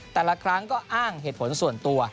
แต่ละครั้งก็อ้างเหตุผลส่วนตัว